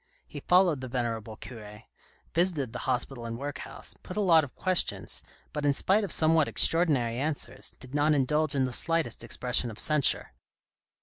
He followed the venerable cure, visited the hospital and workhouse, put a lot of questions, but in spite of somewhat extraordinary answers, did not indulge in the slightest expression of censure.